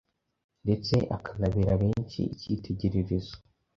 ndetse akanabera benshi ikitegererezo